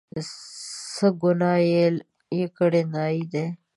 څه ګناه یې کړې، نایي دی.